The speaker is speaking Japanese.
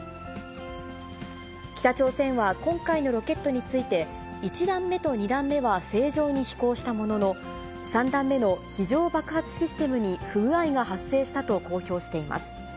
北朝鮮は今回のロケットについて、１段目と２段目は正常に飛行したものの、３段目の非常爆発システムに不具合が発生したと公表しています。